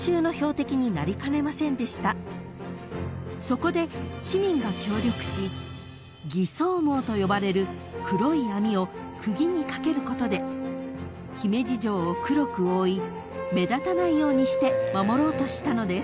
［そこで市民が協力し偽装網と呼ばれる黒い網を釘に掛けることで姫路城を黒く覆い目立たないようにして守ろうとしたのです］